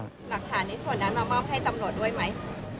หลักฐานในส่วนนั้นมามอบให้ตำรวจด้วยไหม